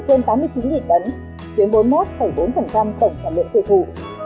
trên tám mươi chín tấn chiếm bốn mươi một bốn tổng sản lượng tiêu thụ